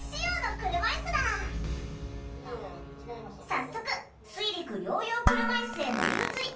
早速水陸両用車いすへ乗り移り